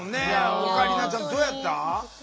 オカリナちゃん、どうやった？